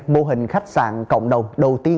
mô hình khách sạn cộng đồng đầu tiên